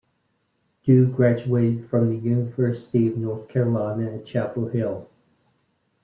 Dhue graduated from the University of North Carolina at Chapel Hill.